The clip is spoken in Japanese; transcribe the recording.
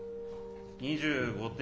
２５点。